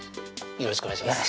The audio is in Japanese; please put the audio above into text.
よろしくお願いします